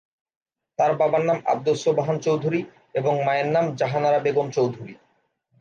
তার বাবার নাম আবদুস সোবহান চৌধুরী এবং মায়ের নাম জাহানারা বেগম চৌধুরী।